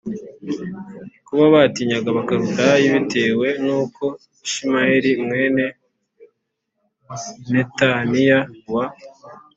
kuko batinyaga Abakaludaya bitewe n uko Ishimayeli mwene Netaniya wa